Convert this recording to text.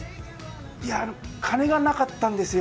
金がなかったんですよ。